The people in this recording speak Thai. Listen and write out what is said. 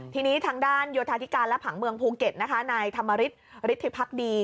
ทีนี้ทางด้านโยธาธิการและผังเมืองภูเก็ตนะคะนายธรรมริสฤทธิพักดี